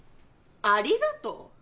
「ありがとう」？